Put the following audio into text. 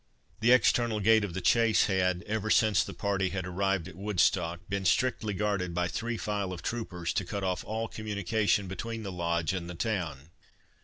The external gate of the Chase had, ever since the party had arrived at Woodstock, been strictly guarded by three file of troopers, to cut off all communication between the Lodge and the town.